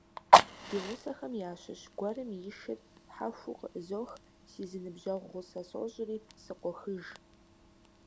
Ди гъусэхэм ящыщ гуэрым и шыр хьэхуу къыӀызох, си зы ныбжьэгъу гъусэ сощӀри, сыкъохыж.